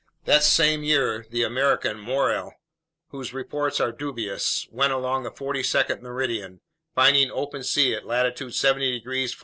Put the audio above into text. That same year the American Morrel, whose reports are dubious, went along the 42nd meridian, finding open sea at latitude 70 degrees 14'.